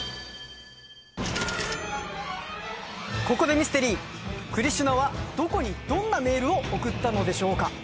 ここでミステリークリシュナはどこにどんなメールを送ったのでしょうか？